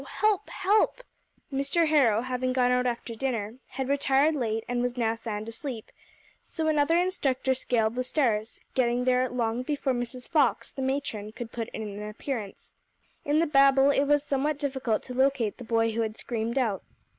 _ help help!" Mr. Harrow, having gone out after dinner, had retired late, and was now sound asleep, so another instructor scaled the stairs, getting there long before Mrs. Fox, the matron, could put in an appearance. In the babel, it was somewhat difficult to locate the boy who had screamed out.